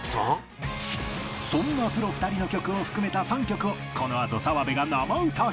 そんなプロ２人の曲を含めた３曲をこのあと澤部が生歌披露